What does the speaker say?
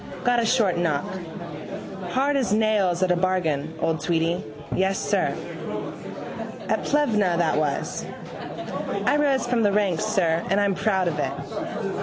Got a short knock. Hard as nails at a bargain, old Tweedy. Yes, sir. At Plevna that was. I rose from the ranks, sir, and I'm proud of it.